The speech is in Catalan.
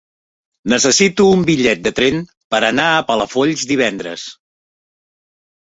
Necessito un bitllet de tren per anar a Palafolls divendres.